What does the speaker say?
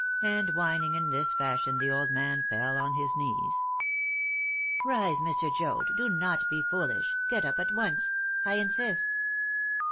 and whining in this fashion the old man fell on his knees. "Rise, Mr. Joad! Do not be foolish. Get up at once I insist!"